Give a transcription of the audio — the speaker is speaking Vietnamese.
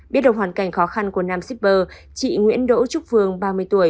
biết được hoàn cảnh khó khăn của nam shipper chị nguyễn đỗ trúc phương ba mươi tuổi